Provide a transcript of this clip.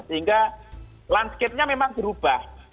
sehingga landscape nya memang berubah